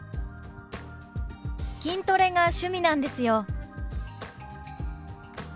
「筋トレが趣味なんですよ」。